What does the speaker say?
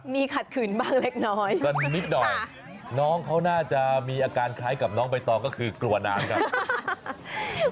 มีขัดขืนบ้างเล็กน้อยกันนิดหน่อยน้องเขาน่าจะมีอาการคล้ายกับน้องใบตองก็คือกลัวน้ำครับ